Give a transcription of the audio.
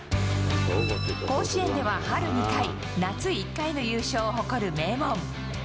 甲子園では春２回、夏１回の優勝を誇る名門。